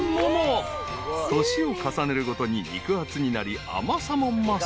［年を重ねるごとに肉厚になり甘さも増す］